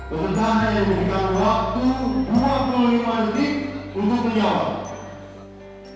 peserta hanya diberikan waktu dua puluh lima detik untuk menjawab